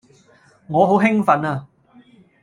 我好興奮呀